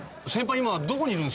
今どこにいるんですか？